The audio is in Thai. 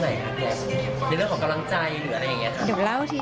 ในเรื่องของกำลังใจหรืออะไรอย่างนี้ค่ะ